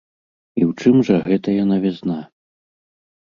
І ў чым жа гэтая навізна?